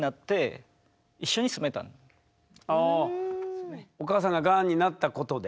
ただお母さんががんになったことで？